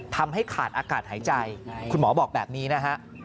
ทำให้ขาดอากาศหายใจคุณหมอบอกแบบนี้นะฮะ